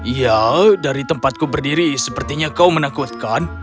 iya dari tempatku berdiri sepertinya kau menakutkan